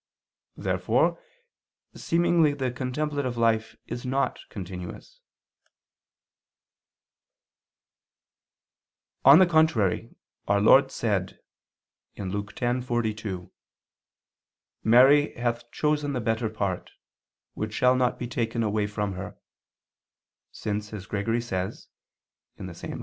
Therefore seemingly the contemplative life is not continuous. On the contrary, our Lord said (Luke 10:42): "Mary hath chosen the best part, which shall not be taken away from her," since as Gregory says (Hom.